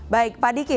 baik pak diki